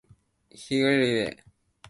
日暮里